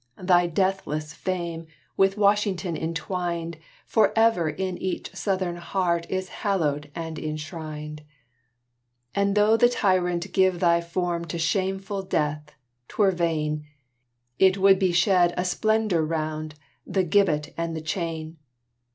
thy deathless fame, With Washington entwined, Forever in each Southern heart Is hallowed and enshrined; And though the tyrant give thy form To shameful death 'twere vain; It would but shed a splendor round The gibbet and the chain.